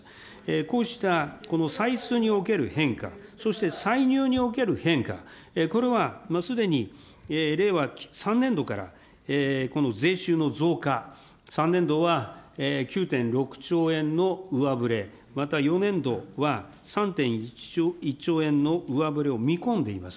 こうしたこの歳出における変化、そして歳入における変化、これはすでに令和３年度からこの税収の増加、３年度は９．６兆円の上振れ、また４年度は３．１兆円の上振れを見込んでいます。